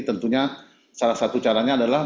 tentunya salah satu caranya adalah